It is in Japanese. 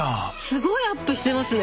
すごいアップしてますね！